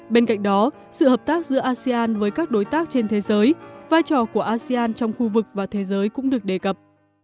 bên cạnh đó sự hợp tác giữa asean với các đối tác trên thế giới vai trò của asean trong khu vực và thế giới cũng được đề cập